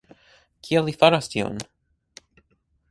Kial li faras tion?